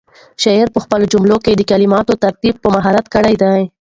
شاعر په خپلو جملو کې د کلماتو ترتیب په مهارت کړی دی.